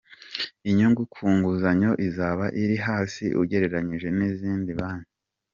Inyungu ku nguzanyo izaba iri hasi ugereranyije n’izindi banki.